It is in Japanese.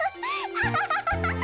アハハハ！